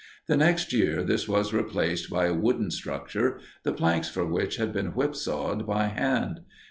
The next year this was replaced by a wooden structure, the planks for which had been whipsawed by hand.